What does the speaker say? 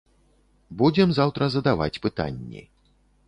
Будзем заўтра задаваць пытанні.